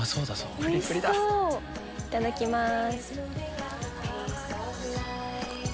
いただきます。